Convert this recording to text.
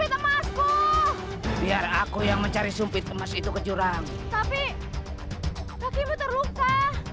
supi temasku biar aku yang mencari sumpit emas itu ke curang tapi bagi menurutnya